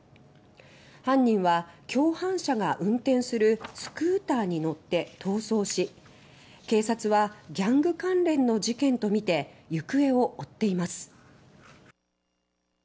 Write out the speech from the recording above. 犯人は共犯者が運転するスクーターに乗って逃走し警察はギャング関連の事件とみて行方を追っています。